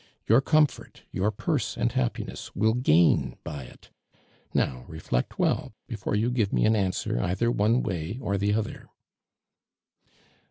Your comfort, your purse and haj)pines3, will gain by it. Now, reflect well before you give me an answer either one way or the other."